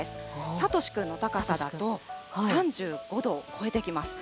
さとしくんの高さだと３５度を超えてきます。